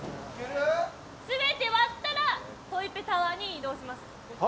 全て割ったらトイペタワーに移動します。